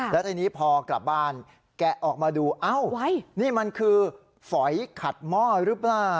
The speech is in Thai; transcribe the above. แล้วทีนี้พอกลับบ้านแกะออกมาดูเอ้านี่มันคือฝอยขัดหม้อหรือเปล่า